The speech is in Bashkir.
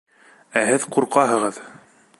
Ә һеҙ ҡурҡаһығыҙ!